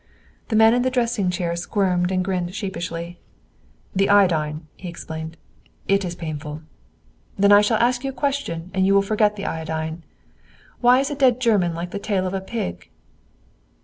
The man in the dressing chair squirmed and grinned sheepishly. "The iodine," he explained. "It is painful." "Then I shall ask you a question, and you will forget the iodine. Why is a dead German like the tail of a pig?"